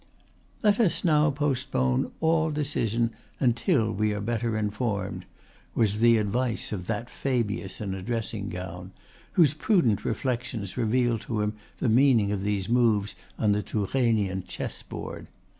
"Let us postpone all decision until we are better informed," was the advice of that Fabius in a dressing gown, whose prudent reflections revealed to him the meaning of these moves on the Tourainean chess board.